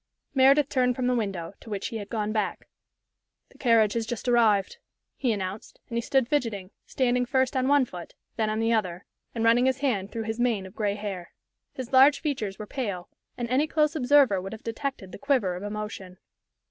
Meredith turned from the window, to which he had gone back. "The carriage has just arrived," he announced, and he stood fidgeting, standing first on one foot, then on the other, and running his hand through his mane of gray hair. His large features were pale, and any close observer would have detected the quiver of emotion.